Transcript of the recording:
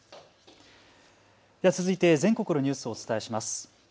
では続いて全国のニュースをお伝えします。